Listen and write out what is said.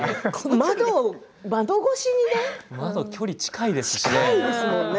窓、距離近いですもんね。